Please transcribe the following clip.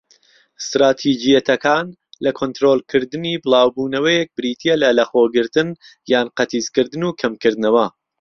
ستراتیجیەتەکان لە کۆنترۆڵکردنی بڵاوبوونەوەیەک بریتیە لە لەخۆگرتن یان قەتیسکردن، و کەمکردنەوە.